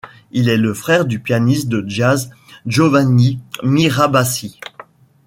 Il est le frère du pianiste de jazz Giovanni Mirabassi.